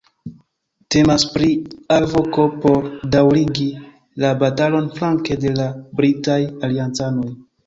Temas pri alvoko por daŭrigi la batalon flanke de la britaj aliancanoj.